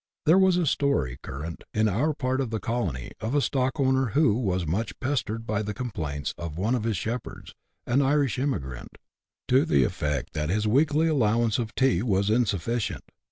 There was a story current in our part of the colony of a stockowner who was much pestered by the complaints of one of his shepherds, an Irish emigrant, to the eflfect that his weekly allowance of tea was insuflScient.